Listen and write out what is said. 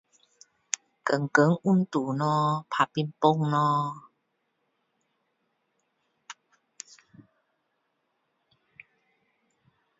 天天运动咯打乒乓咯